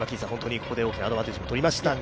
ここで大きなアドバンテージも取りましたが。